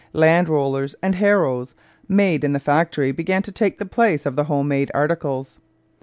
Land rollers and harrows made in the factory began to take the place of the home made articles.